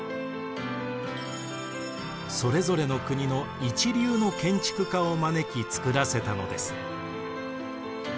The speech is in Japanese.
それぞれの国の一流の建築家を招きつくらせたのです。